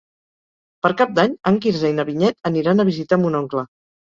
Per Cap d'Any en Quirze i na Vinyet aniran a visitar mon oncle.